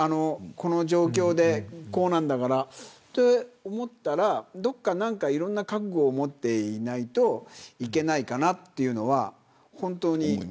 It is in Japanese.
この状況で、こうなんだからと思ったらいろんな覚悟をもっていないといけないかなというのは本当に。